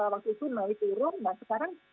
waktu itu melipirung nah sekarang